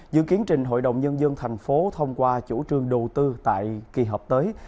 dự kiến trình hội đồng nhân dân thành phố thông qua chủ trương đầu tư tại kỳ họp tới